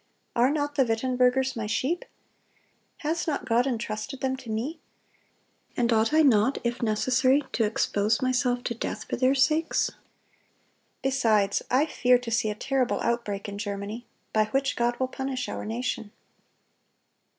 Are not the Wittenbergers my sheep? Has not God entrusted them to me? And ought I not, if necessary, to expose myself to death for their sakes? Besides, I fear to see a terrible outbreak in Germany, by which God will punish our nation."